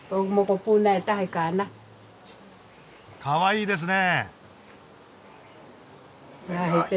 かわいいですね。